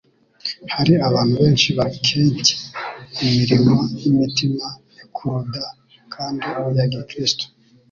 Hari abantu benshi bakencye imirimo y'imitima ikuruda kandi ya gikristo.